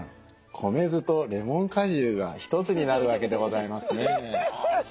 米酢とレモン果汁が一つになるわけでございますね。